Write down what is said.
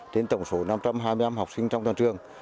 đến tổng số năm trăm hai mươi em học sinh trong toàn trường